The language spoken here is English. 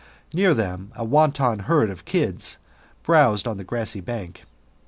Near them a wanton herd of kids browsed on the grassy bank.